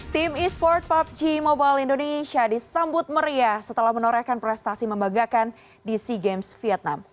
tim e sport pubg mobile indonesia disambut meriah setelah menorehkan prestasi membanggakan di sea games vietnam